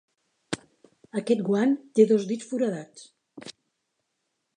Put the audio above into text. Aquest guant té dos dits foradats.